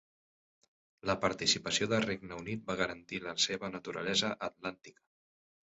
La participació de Regne Unit va garantir la seva naturalesa atlàntica.